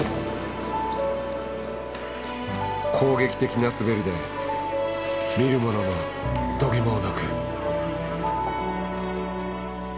攻撃的な滑りで見る者の度肝を抜く。